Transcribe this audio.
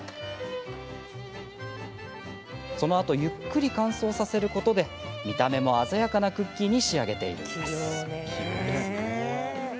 そのあとゆっくりと乾燥させることで見た目も鮮やかなクッキーに仕上げているんです。